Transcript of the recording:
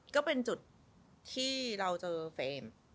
ก็เป็นจุดที่เราเจอเฟรม